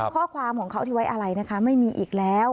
ข้อความของเขาที่ไว้อะไรนะคะไม่มีอีกแล้ว